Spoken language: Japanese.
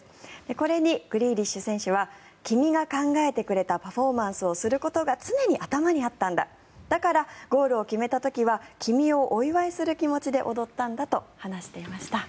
これにグリーリッシュ選手は君が考えてくれたパフォーマンスをすることが常に頭にあったんだだからゴールを決めた時は君をお祝いする気持ちで踊ったんだと話していました。